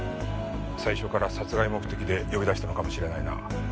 最初から殺害目的で呼び出したのかもしれないな。